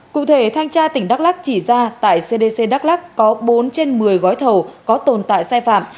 cụ thể thanh tra tỉnh đắk lắc chỉ ra tại cdc đắk lắc có bốn trên một mươi gói thầu có tồn tại sai phạm